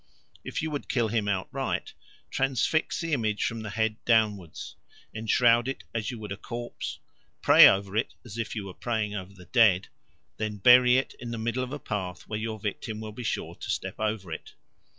If you would kill him outright, transfix the image from the head downwards; enshroud it as you would a corpse; pray over it as if you were praying over the dead; then bury it in the middle of a path where your victim will be sure to step over it.